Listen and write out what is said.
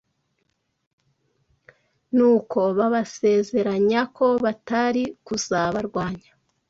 Nuko babasezeranya ko batari kuzabarwanya.